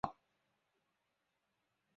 常见于轮船螺旋桨和泵桨叶的边缘。